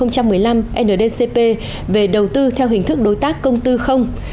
nghị định số một mươi năm hai nghìn một mươi năm ndcp về đầu tư theo hình thức đối tác công tư không